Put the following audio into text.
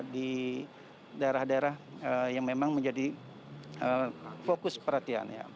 di daerah daerah yang memang menjadi fokus perhatian